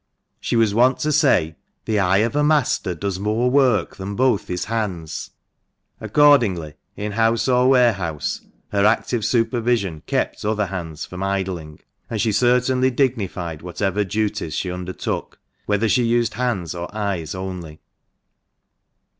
She was wont to say, " The eye of a master does more work than both his hands;" accordingly in house or warehouse her active supervision kept other hands from idling, and she certainly dignified whatever duties she undertook, whether she used hands or eyes only.